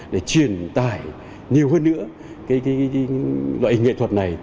để truyền tải nhiều hơn nữa